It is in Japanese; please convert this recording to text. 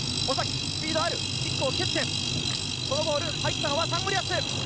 スピードがあるキックを蹴って、入ったのはサンゴリアス。